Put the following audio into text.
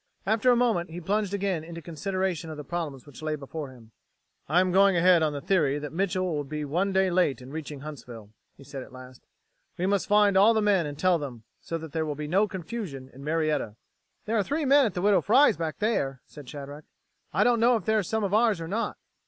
After a moment he plunged again into consideration of the problems which lay before him. "I am going ahead on the theory that Mitchel will be one day late in reaching Huntsville," he said at last. "We must find all the men and tell them, so that there will be no confusion in Marietta." "There are three men at the Widow Fry's back there," said Shadrack. "I don't know if they're some of ours or not."